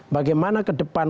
bagaimana ke depan